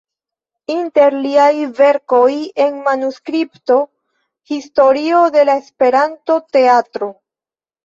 Inter liaj verkoj en manuskripto: Historio de la Esperanto-teatro.